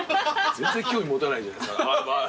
全然興味持たないじゃないですか。